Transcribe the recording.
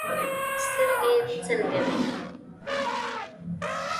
سترګې څنګه ویني؟